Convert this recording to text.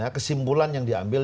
kesimpulan yang diambil